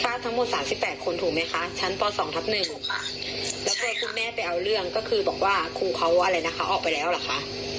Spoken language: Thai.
ฟาดทั้งหมดสามสิบแปดคนถูกไหมคะชั้นต่อสองทับหนึ่งถูกค่ะแล้วก็คุณแม่ไปเอาเรื่องก็คือบอกว่าครูเขาอะไรนะคะออกไปแล้วหรอค่ะ